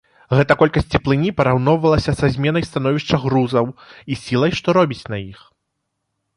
Гэта колькасць цеплыні параўноўвалася са зменай становішча грузаў і сілай, што робіць на іх.